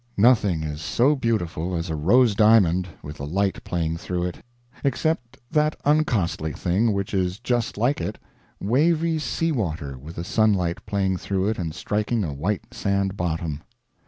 Nothing is so beautiful as a rose diamond with the light playing through it, except that uncostly thing which is just like it wavy sea water with the sunlight playing through it and striking a white sand bottom.